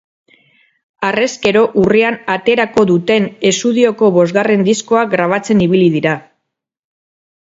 Harrezkero, urrian aterako duten esudioko bosgarren diskoa grabatzen ibili dira.